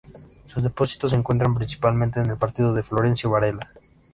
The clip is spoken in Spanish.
Sus depósitos se encuentran principalmente en el partido de Florencio Varela.